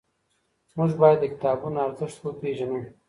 موږ باید د کتابونو ارزښت وپېژنو.